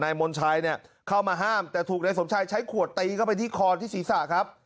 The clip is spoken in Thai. มณชัยเนี่ยเข้ามาห้ามแต่ถูกนายสมชัยใช้ขวดตีเข้าไปที่คอที่ศีรษะครับ